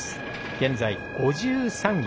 現在、５３位。